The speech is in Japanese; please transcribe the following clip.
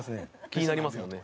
気になりますよね。